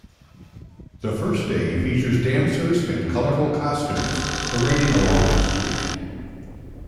The first day features dancers in colorful costumes parading along the street.